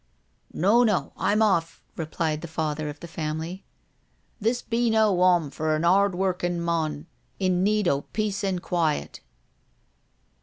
" No, no, I'm off," replied the father of the family. " This be no wom for an' *ard workin* mon in need o' peace an' quiet."